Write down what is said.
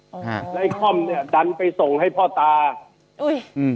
อ่าฮะแล้วไอคอมเนี้ยดันไปส่งให้พ่อตาอุ้ยอืม